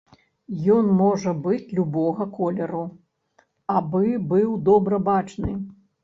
Ён можа быць любога колеру, абы быў добра бачны.